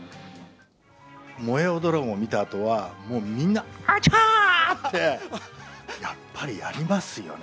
燃えよドラゴン見たあとは、もうみんな、あちゃー！って、やっぱりやりますよね。